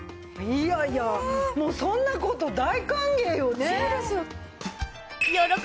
いやいやもうそんな事大歓迎よね。